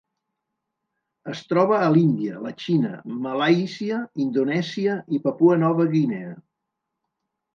Es troba a l'Índia, la Xina, Malàisia, Indonèsia i Papua Nova Guinea.